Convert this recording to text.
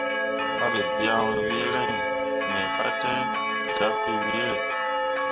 Mahɓe biaŋ wee reŋ mi pate dapii weere.